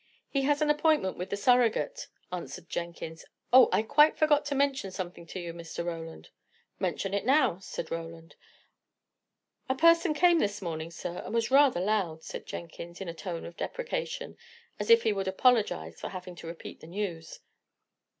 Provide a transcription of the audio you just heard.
"He has an appointment with the surrogate," answered Jenkins. "Oh! I quite forgot to mention something to you, Mr. Roland." "Mention it now," said Roland. "A person came this morning, sir, and was rather loud," said Jenkins, in a tone of deprecation, as if he would apologize for having to repeat the news.